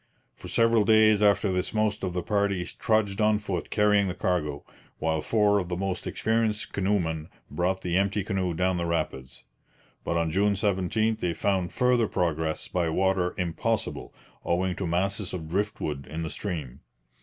For several days after this most of the party trudged on foot carrying the cargo, while four of the most experienced canoemen brought the empty canoe down the rapids. But on June 17 they found further progress by water impossible owing to masses of driftwood in the stream.